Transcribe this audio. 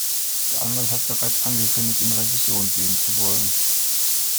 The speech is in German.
Der Anwalt hat bereits angekündigt, in Revision gehen zu wollen.